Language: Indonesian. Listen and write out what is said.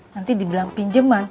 nanti dibilang pinjeman